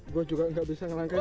gua juga tidak bisa melangkangnya